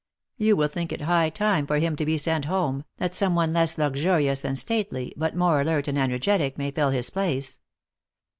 You will think it high time for him to be sent home, that some one less luxurious and state ly, but more alert and energetic, may fill his place.